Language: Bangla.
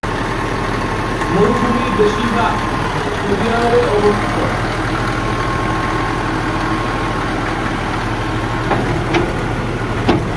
মরুভূমির বেশিরভাগ সৌদি আরবে অবস্থিত।